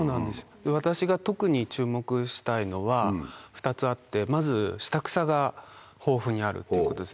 私が特に注目したいのは２つあってまず下草が豊富にあるっていうことですね。